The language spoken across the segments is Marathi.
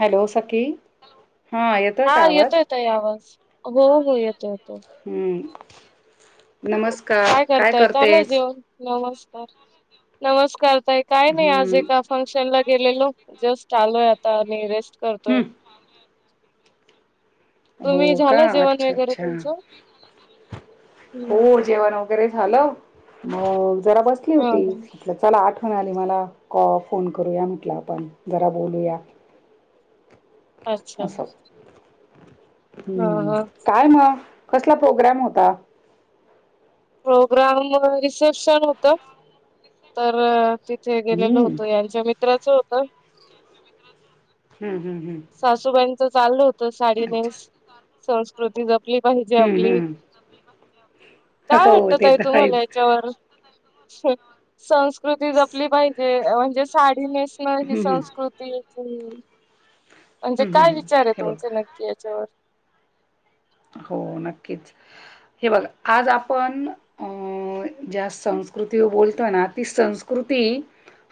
हॅलो सखी हा येतोय हा का येतो आवाज येतो या आवाज हो हो येतो येतो हम्म. नमस्कार काय करताय चाल करतेस येेवन नव नमस्कार तय काय नाही आज हम्म एका फंक्शन ला गेलेलो जेस्ट आलोय आता आणि रेस्ट करतोय हम्म हो तुम्ही का झालं जेवण अच्छा वगैरे अच्छा तुमचं? हम्म होर जेव्हा न र झालं मग जरा बसली हा होती हा चला आठ म्हणाली मला कॉ फोन करूया म्हटलं आपण जरा बोलूया अच्छा असं हा हम्म हा. काय म कसला प्रोग्राम होता प्रोग्राम रिसेप्शन होत तर थ गेलेल हम्म होतो यांच्या मित्राच होत. हम्म हम्म हम्म. चाल होत साडीने अच्छा संस्कृती ज.. आपली पाहिजे हम्म आपली हम्म काय हो वाटत ते आहे तर तुम्हाला आहेच याच्यावर. संस्कृती जपली पाहिजे म्हणजे साडी ने.. माझी हम्म हम्म संस्कृती.. म्हणजे हम्म हम्म काय हम्म विचार आहे हे बघ तुमचे नक्की याच्यावर. हो नक्कीच हे बघ आज आपण अ ज्या.. संस्कृती बोलतोय ना ती संस्कृती..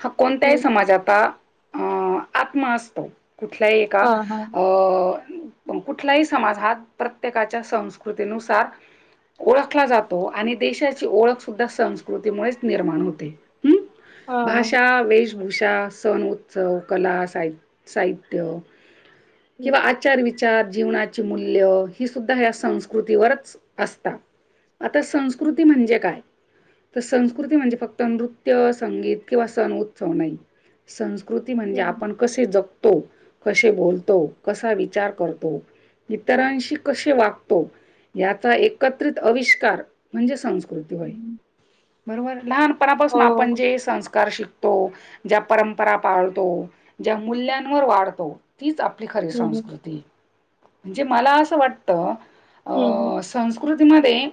हा कोणत्याही हम्म समाजाचा अ आत्मा असतो. कुठल्याही एका हा हा. अं कुठलाही समाज हा.. प्रत्येकाच्या संस्कृतीनुसार.. ओळखला जातो आणि देशाची ओळख सुद्धा संस्कृतीमुळेच निर्माण होते. हम्म हा हा. भाषा वेश.. उूषा सण उत्सव कला साह साहित्य.. हम्म. किंवा आचार विचार जीवनाची मूल्य.. ही सुद्धा या संस्कृतीवरच असत आता संस्कृती म्हणजे काय? तर संस्कृती म्हणजे फक्त नृत्य संगीत किंवा सण उत्सव नाही संस कृती म्हणजे हम्म. आपण कसे जगतो कसे बोलतो कसा विचार करतो हम्म, इतरांशी कसे वागतो याचा एकत्रित आविष्कार म्हणजे सं हम्म. बरोबर लहानपणापासून आपण हो. जे संस्कार शिक तो ज्या परंपरा पाळतो ज्या मूल्यांवर वाढतो तीच आपली खरी हम्म संस्कृती म्हणजे मला असं वाटत हम्म हम्म. प्रकृतीमध्ये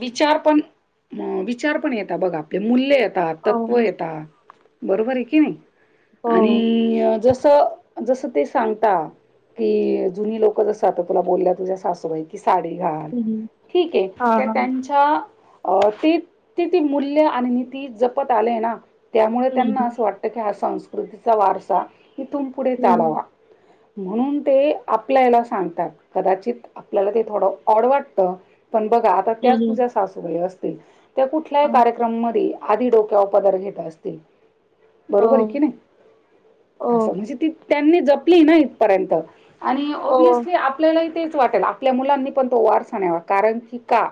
विचार पण विचार पण येत बघ आपले मूल्य येतात हो तव येत बरोबर आहे की नाही हो. आणि जस जस ते सांगता की जुनी लोक जस आता तुला बोलल्या तुझ्या सासूबाई कि साडी घाल हम्म. ठीके हा तर हा. त्यांच्या अ ते ती ती मूल्य आणि नी ती जपत आलेय ना त्यामुळे त्यांना हम्म असं वाटतं की हा संस्कृतीचा वारसा ही तुम पुढे हम्म चालावा. म्हणून ते आपल्याला सांगतात कदाचित आपल्याला ते थोडं ऑड वाटत पण बघा आता त्याच हम्म. तुझ्या सासूबाई असतील त्या कुठल्याही हा. कार्यक्रमधी आधी डोक्या उपदर घेत असतील बरोबर कि हो नाही हो असं म्हणजे ती त्यांनी जपली ना इथपर्यंत आणि हो ऑब्विहियसली आपल्यालाही तेच वाटेल आपल्या मुलांनी पण तो वार स नवा कारण की का?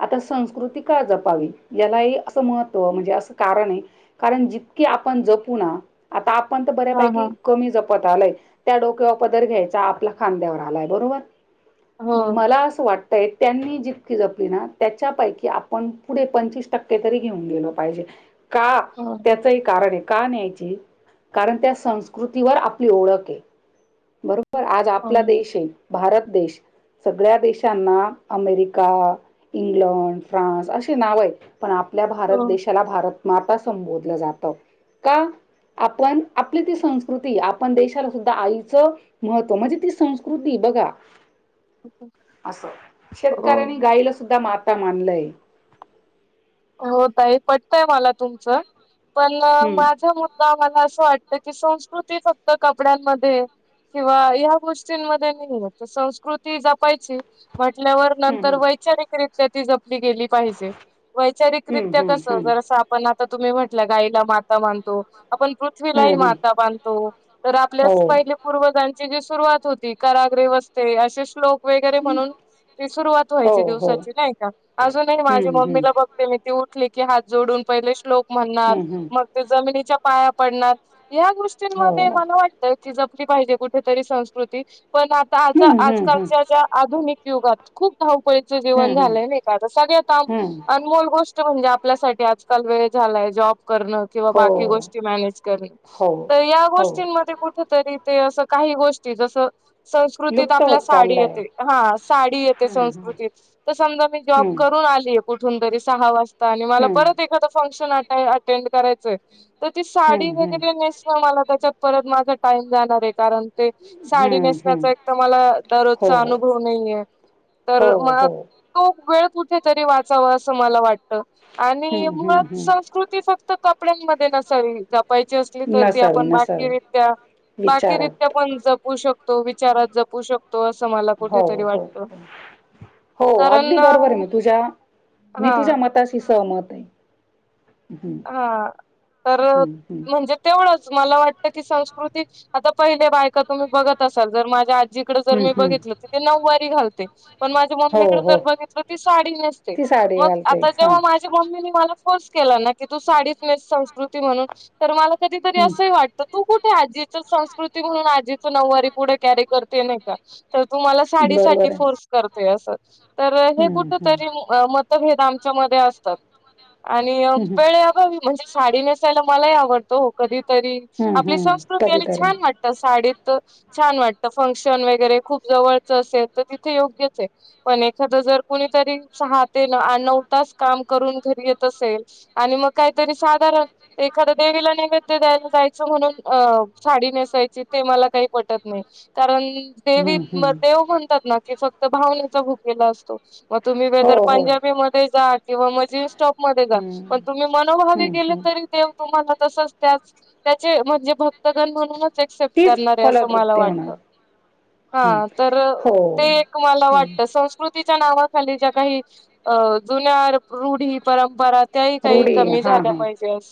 आता संस्कृती का जपावी यालाही असं महत्त्व म्हणजे असं कारण आहे कारण जित की आपण जपू ना पण हा हा बऱ्यापैकी कमी जपत आलय त्या डोक्यावर पदर घ्यायचा आपल्या खांद्यावर आलाय बरोबर हो हो. मला असं वाट त्यांनी जितकी जपली ना त्याच्यापैकी आपण पुढे पंचवीस टक्के तरी घेऊन गेलो पाहिजे. का हो त्याचंही कारण आहे का न्यायची कारण त्या संस्कृतीवर आपली ओळख आहे बरोबर आज आपला देश आहे भारत देश सगळ्या देशांना अमेरिका इंग्लंड फ्रान्स असे नाव आहेत पण आपल्या भारत हो देशाला भारत माता संबोधलं जातं का आपण आपली ती संस्कृती आपण देशाला सुद्धा आईचं महत्त्व म्हणजे ती संस्कृ कृती बघा अस शेतकऱ्यांनी हो. गाईला सुद्धा मात ता मानलंय. होतई पटतय मला तुमचं पण हम्म माझा मुद्दा असं वाटत की संस्कृती फक्त कपड्यांमध्ये किंवा या गोष्टींमध्ये नाही संस्कृती जपायची म्हटल्यावर नंतर हम्म वैचारिकरित्या ती जपली गेली पाहिजे वैचारिकरित्या हम्म कस हम्म जरस आपण आता तुम्ही म्हटलं गाईला माता मानतो आपण हम्म पृथ्वीलाही हम्म हम्म हम्म माता मानतो तर आपल्यास हो पहिले पूर्वजण ची जी सुरुवात होती कराग्रे वस्ते असे श्लोक जे वगैरे म्हणून ती सुरुवात व्हायची हो हो दिवसाची नाही का अजूनही माझी हम्म हम्म मम्मीला बघ ते उठली की हात जोडून पहिले श्लोक म्हणणार हम्म हम्म मग ते जमिनीच्या पाया पडणार या हो गोष्टींमध्ये मला वाटतं की जपली पाहिजे कुठेतरी संस्कृती पण आता आता हम्म हम्म हम्म आजकालच्या ज्या आधुनिक युगात खूप धावप ळीच हम्म जीवन हम्म झालंय नाही का सगळ्यात आन हम्म अनमोल गोष्ट म्हणजे आपल्यासाठी आजकाल वेळ झालाय जॉब करण किवा हो बाकी गोष्टी मॅनेज कारण हो तार या हो गोष्टी मध्ये कुठे तरी ते असं काही गोष्टी जस संस्कृतीत लुप्त आपल्या होत साडी चाललंय येते हा साडी येते हम्म संस्कृतीत तर समजा मी जॉब हम्म करून आली कुठून तरी सहा वाजता आणि मला हम्म परत एखादा फंक्शन अटेंड करायचंय त ती साडी हम्म हम्म वगैरे नेसणं मला त्याच्यात परत माझा टाईम जाणारे कारण ते हम्म साडी हम्म हम्म नेसण्याचा एक तर मला हो दररोजचा अनुभव नाहीये. हो तर मला हो तो वेळ कुठेतरी वाचाव असं मला वाटत. आणि हम्म मुळात हम्म हम्म संस्कृती फक्त कपड्यांमध्ये नसावी जपायची असली तर ती नसावे आपण नसावे बाकीरित्या- बाकीरीत्या विचारात पण जपू शक तो विचारात जपू शकतो असं मला हो कुठेतरी हो वाटत. हो अगदी बरोबरे तुझ्या मी तुझ्या मी हा तुझ्या मताशी सहमत. आहे. हम्म हा तर हम्म हम्म म्हणजे तेवढंच. मला वाटत की संस्कृती आता पहिले बायका तुम्ही बघत असाल जर माझ्या आ जिकड जर हम्म मी हम्म बघितलं ति ते नऊवारी घालते. पण माझ्या हो मम्मीकड हो जर बघितलं ती साडी नेसते ती साडी मग घालते आता हा. जेव्हा माझ्या मम्मीनी मला फोर्स केला ना की तू साडीच नेस संस्कृती म्हणून तर मला कधीतरी हम्म. अस ही वाटत तु कुठ ते आजीच संस्कृती म्हणून आजीच नऊवारी पुढे कॅरी करते नाही का? तर तुमला साडीसाठी बरोबर आहे. फोर्स करतेय असं तर हे हम्म कुठ हम्म. तरी मत भेद आमच्या मधे असतात आणि हम्म हम्म वेळे आभावी म्हणजे साडी नेस न. मलाही आवडत हो कधी तरी आपली संस्कृती आणि छान वाटत साडीत. छान वाटत फंशन वगरे खूप जवळच असेल तर तिथे योग्यचे पण एखाद जर कुणीतरी सहाते आ नऊ तास काम करून घरी येत असेल. आणि मग काहीतरी साधारण एखादं देवीला नैवेद्य द्यायला जाय च म्हणून अ साडी नेसायची ते मला काही पटत नाही कारण देवी हम्म हम्म. मधे लोक म्हणतात ना की फक्त भावने चा भुकेला असतो मग तुम्ही वेदर पंजाबी मधे जा किंवा म जीन्स टॉप मध्ये जा. पण तुम्ही मनोभावे गेले तरी देव तुम्हाला तसच त्याच त्याचे म्हणजे भक्तगण म्हणूनच, एक्सेप्ट करणारे असं मला फलद्रुपती वाटतं. हम्म हा तर हो ते एक मला वाटत संस्कृतीच्या नावा खाली ज्या काही अ जुन्या रूढी, परंपरा, त्या ही काही रूढी कमी परंपरा हा हा झाल्या काही पाहिजे अस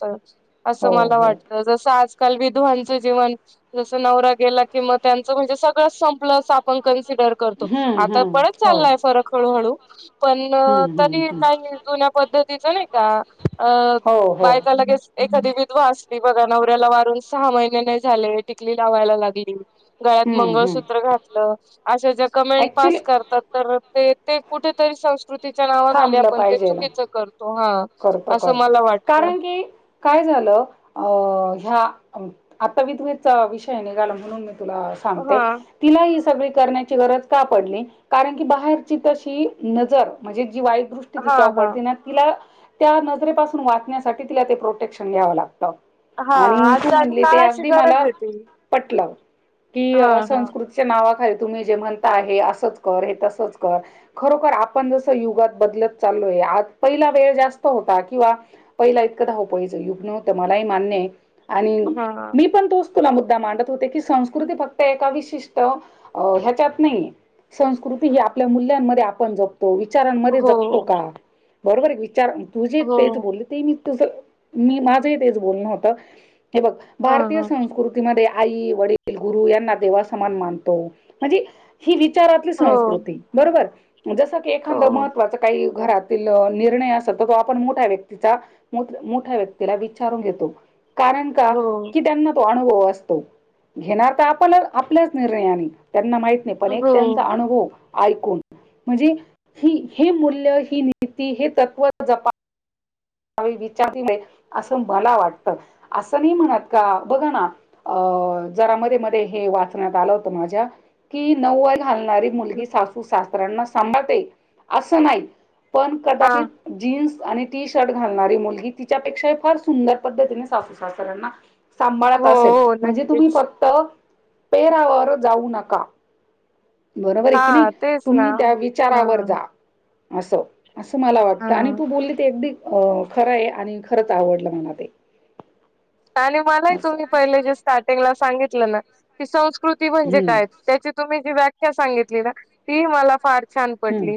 असं हो मला हो. वाटत जस आज काल विधुवांचं जीवन जसं नवरा गेला किं त्यांचं म्हणजे सगळं संप लच आपण कसिडर करतो, आता हम्म पडत हो. चालाय फरक हळू हळू पण अ हम्म तरी काही जुन्या पद्धतीच नाही का हो हो बायका लगेच एक कधी विधवा असली बघा नवऱ्याला वारून सहा महिने नाही झाले टिकली लावायला लागली. गळ्यात हम्म हम्म मंगळसूत्र घातलं अशा ज्या कमेंट ऍक्च्युली पास करतात तर ते ते कुठेतरी संस्कृतीच्या नावा खाली थांबलं आपण ते पाहिजेल चुकीचं करतो. हा. करतो असं करतो मला वाटतं कारण की काय झालं अ ह्या आता विधवेचा विषय निघाला म्हणून मी तुला सांगते हा तिला ही सगळ करण्याची गरज का पडली कारण कि बाहेरची तशी नजर म्हंजे जी वाईट दृष्टी हा तिच्याव हा पडते ना तिला त्या नजरेपासून वाचण्यासाठी तिला ते प्रोटेक्शन घ्यावं लागत हा आणि तू आज म्हंणली ते काळाची अगदी गरज मला आहे ती पटलं कि हा हा संस्कृतीच्या नावा खाली तुम्ही जे म्हणता हे असंच कर हे तसचं कर खरोखर आपण जसे युगात बदलत चालोय आज पहिला वेळ जास्त होता किंवा पहिला इतकं धावपळीचं युग नव्हत मला ही मान्यये आणि हा मी पण तोच तुला मुद्दा मांडत होते की संस्कृती फक्त एका विशिष्ट अ ह्याच्यात नाहीये संस्कृ कितीही आपल्या मुूल्यांमध्ये आपण जगतो विचारांमध्ये हो जगतो का? बरोबर विचार तू जे हो तेच बोलले ते मी तु मी माझंही तेच बोलणं होत हे बघ ह भारतीय ह संस्कृतीमध्ये आई वडील गुरु यांना देवा समान मानतो म्हणजे ही वी विचारातली हो संस्कृती बरोबर जसं की एखांद हो महत्त्वाचं काही घरात तिल निर्णय असतो तर तो आपण मोठ्या व्यक्तीचा माठ मोठ्या व्यक्तीला विचारून घेतो. कारण का हो की त्यांना तो आनु हो असतो घेणार तर आपला आपल्याच निर्णयाने त्यांना माहित नाही पण एक हो त्यांचा अनुभव एैकून म्हणजे हि हे मूल्य ही नीती हे तत्त्व जपा काही विचार [unintelligible] दिले असं मला वाटत असं नाही म्हणत का बघ ना, अ जरा मध्ये मध्ये हे वाचण्यात आलं होतं माझ्या कि नव्वायला हालणारी मुलगी सासू सासऱ्यांना सांभाळतेल असं नाही पण हा कदाचित जीन्स आणि टी श शर्ट घालणारी मुलगी तिच्यापेक्षा फार सुंदर पद्धतीने सासू सासऱ्यांना सांभाळत हो असेल हो म्हणजे तुम्ही नक्कीच फक्त पेरावर जाऊ नका. बरोबर आहे हा की नाही तेच ना तुम्ही त्या हा विचारावर जा. असं असं मला वाटतं हा आणि तू बोलली ते एकदी अं खरंय आणि खरंच आवडलं म्हणां ते. आणि मलाही असं. तुम्ही पहिले जे स्टार्टिंगला सांगितलं ना की स्वंवूस कृती म्हणजे हं. काय त्याची तुम्ही जी व्याख्या सांगितली ना, ती मला फार छान हं. पटली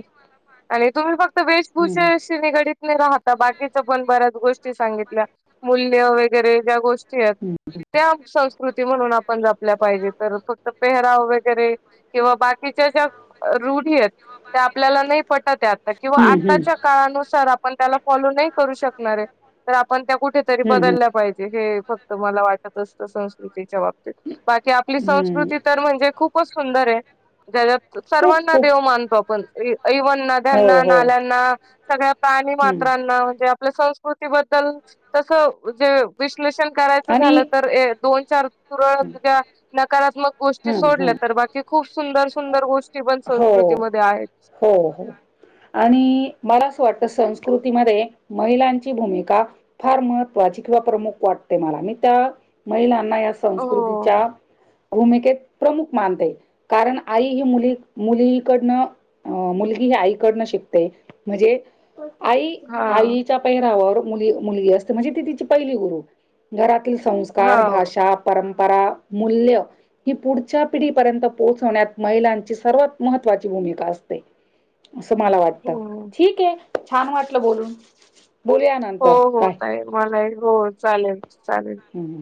आणि तुम्ही फक्त वाटली. हं, हं. वेशभूषेशी निगडत नाही राहता बाकीच्या पण बऱ्याच गोष्टी सांगितल्या मूल्य वै वगैरे ज्या गोष्टी आहेत. हं, त्या संस्कृती म्हणून आपण जपल्या पाहिजे तर फक्त पेहराव वगैरे किंवा बाकी त्या ज्या रूढी त्या आपल्याला नाही पटत आता किंवा म्हणजे हं, हं. आताच्या काळानुसार आप त्याला फॉलो नाही करू शकणार हे आपण त्या कुठेतरी आहे. हं, हं. बदल्याप हे फक्त मला वाटत असत संस्कृती [unintelligible] तीच्या बाबतीत बाकी आपली हम्म. संस्कृती तर म्हणजे खूपच सुंदर हे. जच्यात खूप सर्वांना खूप देव मानतो आपण. इ औवन हो नद्यांना हो नाल्यांना सगळ्या प्राणी हम्म मात्रांना म्हणजे आपल्या स्वंवूस कृतीबद्दल तसं जे विश्लेषण करायचं आणि झालं तर ऐ दोन चार हम्म [unintelligible] नकारात्मक गोष्टी सोडल्या हम्म तर बाकी खूप सुंदर सुंदर गोष्टी पण हो संस्कृतीमध्ये आहेत. हो हो आणि मला असं वाटत. तर संस्कृतीमध्ये महिलांची भूमिका फार महत्त्वाची किंवा प्रमुख वाटते मला मी त्या महिला ना या संस्कृती हो भूमिकेत प्रमुख मानते कारण आई ही मुली मुलीकडनं अ मुलगी ह आईकडन शिकते म्हणजे आई हा आईच्या पहिरावावर मुली मुलगी असते म्हणजे ती तिची पहिली गुरु घरात ती हा संस्कार भाषा परं परा मुल्य ही पुढच्या पिढी पर्यंत पोहोचण्यात महिलांची सर्वात महत्त्वाची भूमिका असते असं मला वाटत हो ठीक हे. छान वाटलं बोलून. बोलूया हो नंतर. हो बाय. ताई मलाही हो चालेल चालेल. हम्म.